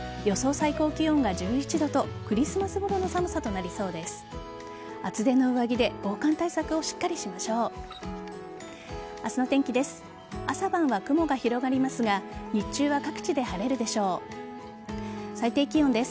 最高気温が１１度とクリスマスごろの寒さとなりそうです。